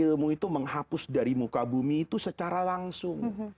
ilmu itu menghapus dari muka bumi itu secara langsung